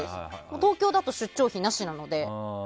東京だと出張費なしだそうなので。